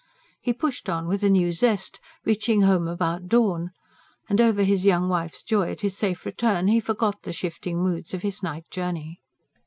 He pushed on with a new zest, reaching home about dawn. And over his young wife's joy at his safe return, he forgot the shifting moods of his night journey.